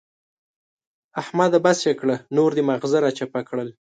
احمده! بس يې کړه نور دې ماغزه را چپه کړل.